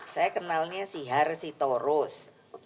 saya kenalnya sihar sitorus